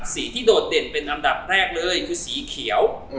สีที่โดดเด่นเป็นอันดับแรกเลยคือสีเขียว